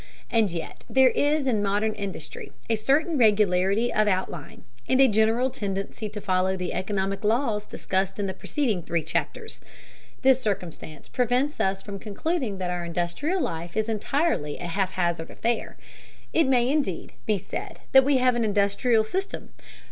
And yet there is in modern industry a certain regularity of outline, and a general tendency to follow the economic laws discussed in the preceding three chapters. This circumstance prevents us from concluding that our industrial life is entirely a haphazard affair. It may, indeed, be said that we have an industrial system.